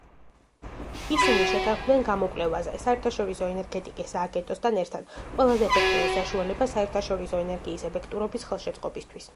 ისინი შეთანხმდნენ გამოკვლევაზე, საერთაშორისო ენერგეტიკის სააგენტოსთან ერთად, ყველაზე ეფექტური საშუალება საერთაშორისო ენერგიის ეფექტურობის ხელშეწყობისთვის.